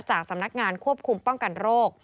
จากสำนักงานควบคุมป้องกันโรค